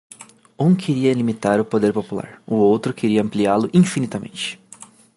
Um queria limitar o poder popular, o outro para ampliá-lo infinitamente.